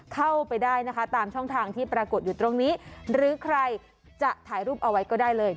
เข้าไปได้นะคะตามช่องทางที่ปรากฏอยู่ตรงนี้หรือใครจะถ่ายรูปเอาไว้ก็ได้เลย